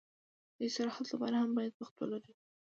د استراحت لپاره هم باید وخت ولرو.